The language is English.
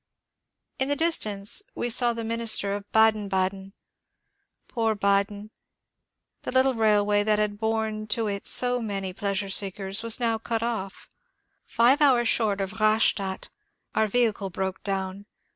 In the distance we saw the minster of Baden Baden. Poor Baden ! The little railway that had borne to it so many pleasure seekers was now cut off. Five hours short of Rastadt our vehicle broke down.